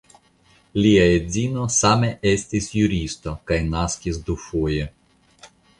Lia edzino same estis juristo kaj naskis dufoje.